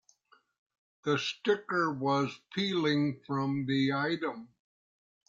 The sticker was peeling from the item.